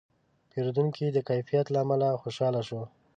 پیرودونکی د کیفیت له امله خوشاله شو.